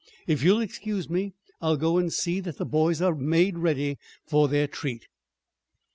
"If you'll excuse me, I'll go and see that the boys are made ready for their treat."